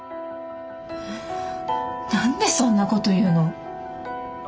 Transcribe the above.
何でそんなこと言うの。